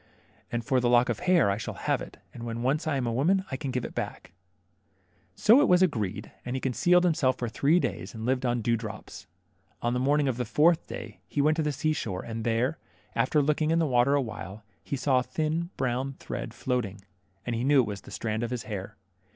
As fof the lock of hair, I shall have it, and when once I am a woman I can give it back." THE MERMAID. 19 So it was agreed, and he concealed himself for three days, and lived on dew drops. On the morning of the fourth day, he went to the sea shore, and there, after looking in the water awhile, he saw a thin brown thread floating, and he knew it was the strand of his hair.